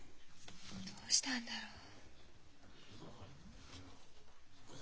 どうしたんだろう？